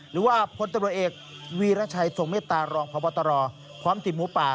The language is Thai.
หรือว่าเพราะตัวเอกวิราชัยส่งเมตตารองพทพทพร้อมทีมมูป่า